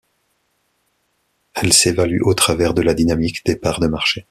Elle s'évalue au travers de la dynamique des parts de marché.